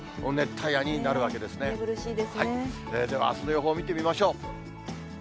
ではあすの予報見てみましょう。